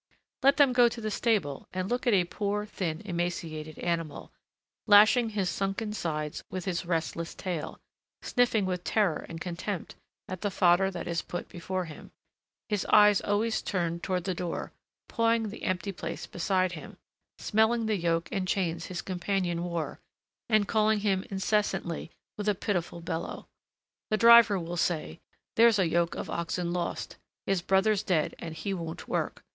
Let them go to the stable and look at a poor, thin, emaciated animal, lashing his sunken sides with his restless tail, sniffing with terror and contempt at the fodder that is put before him, his eyes always turned toward the door, pawing the empty place beside him, smelling the yoke and chains his companion wore, and calling him incessantly with a pitiful bellow. The driver will say: "There's a yoke of oxen lost; his brother's dead, and he won't work.